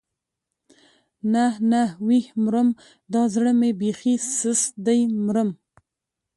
نه نه ويح مرم دا زړه مې بېخي سست دی مرم.